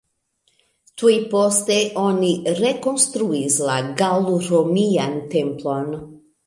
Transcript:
Tuj poste oni rekonstruis la gaŭl-romian templon.